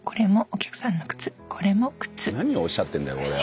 何をおっしゃってんだよこれは。